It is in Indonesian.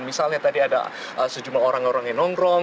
misalnya tadi ada sejumlah orang orang yang nongkrong